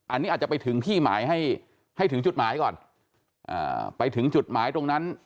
อันนี้อาจจะไปถึงที่หมายให้ให้ถึงจุดหมายก่อนไปถึงจุดหมายตรงนั้น